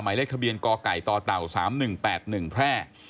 ไหมเลขทะเบียนกไก่ตเต่าสามหนึ่งแปดหนึ่งแพร่